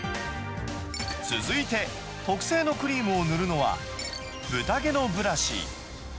続いて、特製のクリームを塗るのは、豚毛のブラシ。